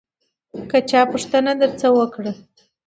که چا پوښتنه درڅخه وکړه